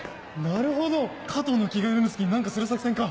なるほど加藤の気が緩む隙に何かする作戦か。